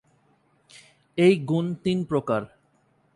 এই গুণ তিন প্রকার।